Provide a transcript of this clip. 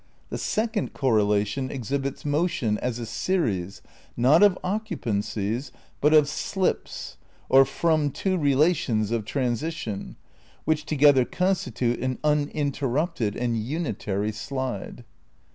The second correlation exhibits motion, as a series, not of occupancies but of slips (or from to relations of transition) which together constitude an unin terrupted and unitary slide."